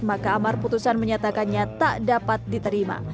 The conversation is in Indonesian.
maka amar putusan menyatakannya tak dapat diterima